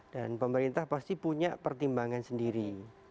dan pemerintah pasti punya pertimbangan sendiri